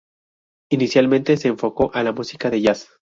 Inicialmente se enfocó a la música de jazz.